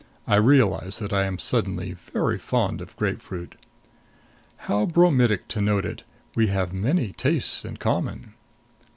I realize that I am suddenly very fond of grapefruit. How bromidic to note it we have many tastes in common!